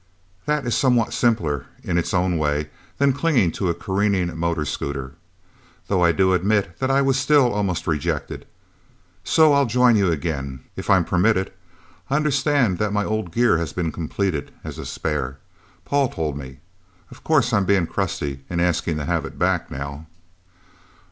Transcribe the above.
That is somewhat simpler, in its own way, than clinging to a careening motor scooter. Though I do admit that I was still almost rejected...! So, I'll join you, again if I'm permitted? I understand that my old gear has been completed, as a spare? Paul told me. Of course I'm being crusty, in asking to have it back, now?"